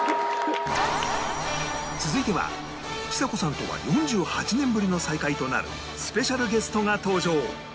続いてはちさ子さんとは４８年ぶりの再会となるスペシャルゲストが登場